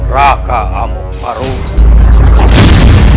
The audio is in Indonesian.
raka amuk marugul